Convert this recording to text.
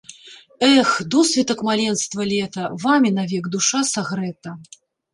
Эх, досвітак маленства, лета! Вамі навек душа сагрэта!